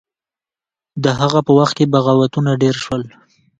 د هغه په وخت کې بغاوتونه ډیر شول.